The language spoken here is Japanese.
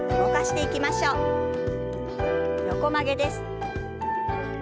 横曲げです。